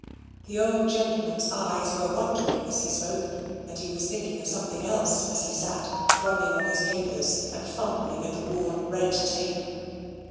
The old gentleman's eyes were wandering as he spoke, and he was thinking of something else, as he sate thrumming on his papers and fumbling at the worn red tape.